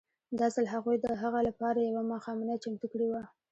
دا ځل هغوی د هغه لپاره یوه ماښامنۍ چمتو کړې وه